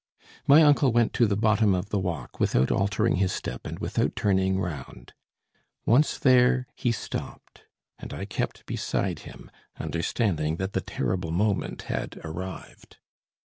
My uncle went to the bottom of the walk, without altering his step and without turning round. Once there, he stopped, and I kept beside him, understanding that the terrible moment had arrived.